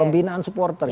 pembinaan supporter ya